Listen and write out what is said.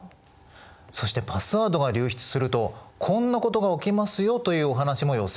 そしてパスワードが流出するとこんなことが起きますよというお話も寄せられています。